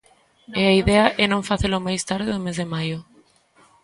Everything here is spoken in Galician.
E a idea é non facelo máis tarde do mes de maio.